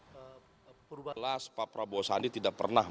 bpn menegaskan jika ada yang berdemonstrasi itu bukan bagian dari bpn